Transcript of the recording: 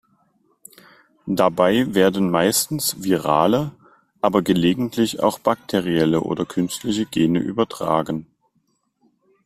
Dabei werden meistens virale, aber gelegentlich auch bakterielle oder künstliche Gene übertragen.